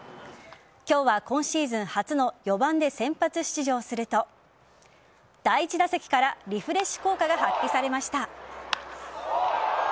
今日は今シーズン初の４番で先発出場すると第１打席からリフレッシュ効果が発揮されました。